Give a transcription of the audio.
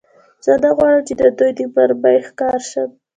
زه نه غواړم، چې د دوی د مرمۍ ښکار شم.